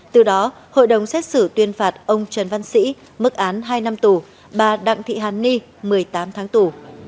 từ đó hội đồng xét xử tuyên phạt ông trần văn sĩ mức án hai năm tù bà đặng thị hàn ni một mươi tám tháng tù